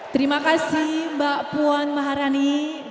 terima kasih mbak puan maharani